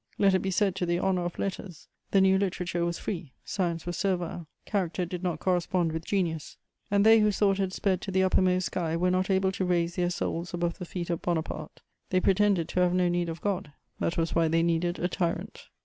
Let it be said to the honour of Letters: the new literature was free, science was servile; character did not correspond with genius, and they whose thought had sped to the uppermost sky were not able to raise their souls above the feet of Bonaparte: they pretended to have no need of God, that was why they needed a tyrant.